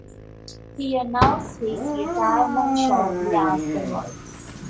He announced his retirement shortly afterward.